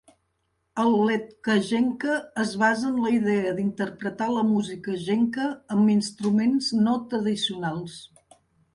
El letkajenkka es basa en la idea d'interpretar la música Jenkka amb instruments no tradicionals.